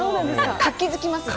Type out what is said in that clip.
活気づきますね。